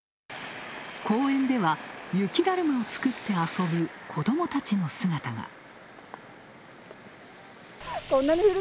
公園では、雪だるまを作って遊ぶ子どもたちの姿が。